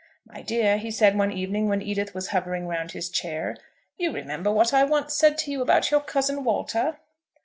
"My dear," he said, one evening, when Edith was hovering round his chair, "you remember what I once said to you about your cousin Walter?"